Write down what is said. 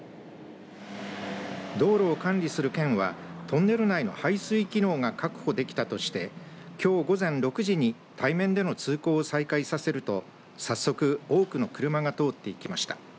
道路を管理する県はトンネル内の排水機能が確保できたとしてきょう午前６時に対面での通行を再開させると早速、多くの車が通っていきました。